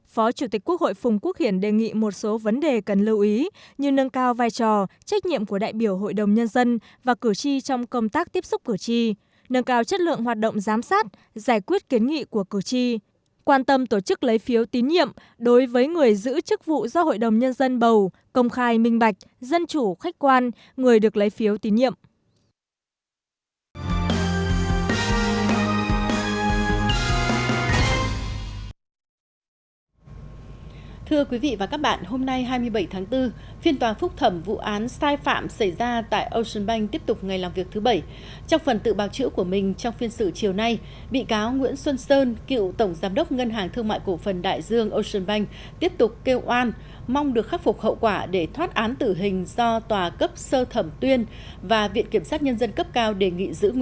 phó chủ tịch quốc hội phùng quốc hiển đề nghị một số vấn đề cần lưu ý như nâng cao vai trò trách nhiệm của đại biểu hội đồng nhân dân bầu công tác tiếp xúc cử tri nâng cao chất lượng hoạt động giám sát giải quyết kiến nghị của đại biểu hội đồng nhân dân bầu công khai minh bạch dân chủ khách quan người được lấy phiếu tín nhiệm đối với người giữ chức vụ do hội đồng nhân dân bầu công khai minh bạch dân chủ khách quan người được lấy phiếu tín nhiệm đối với người giữ chức vụ do hội đồng nhân dân bầu công khai minh